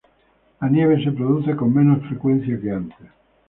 La nieve se produce con menos frecuencia que antes.